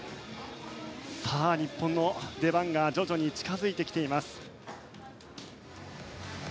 さあ、日本の出番が徐々に近づいてきています。